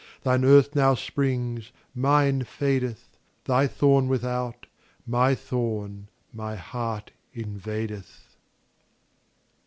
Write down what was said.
Thine earth now springs, mine fadeth; Thy thorn without, my thorn my heart invadeth.